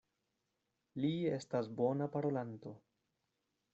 Li estas bona parolanto.